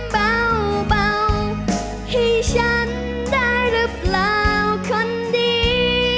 เบาให้ฉันได้หรือเปล่าคนดี